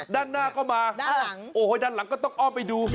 ด้านหน้าก็มาด้านหลังก็ต้องอ้อมไปดู